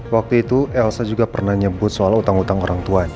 waktu itu elsa juga pernah nyebut soal utang utang orang tuanya